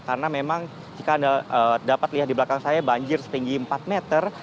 karena memang jika anda dapat lihat di belakang saya banjir setinggi empat meter